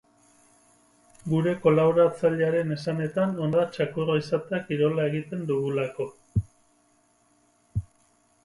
Gure kolaboratzailearen esanetan, ona da txakurra izatea kirola egiten dugulako.